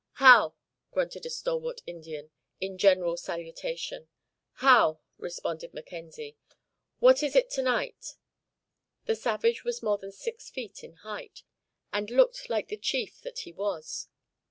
"How!" grunted a stalwart Indian, in general salutation. "How!" responded Mackenzie. "What is it to night?" The savage was more than six feet in height, and looked like the chief that he was.